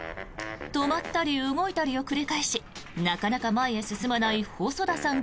止まったり動いたりを繰り返しなかなか前へ進まない細田さん